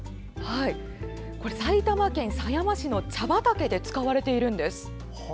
埼玉県狭山市の茶畑で使われているんです。